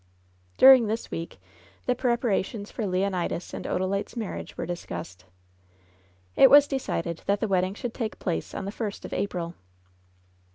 During this week the preparations for Leonidas and Odalite's marriage were discussed. It was decided that the wedding should take place on the first of April.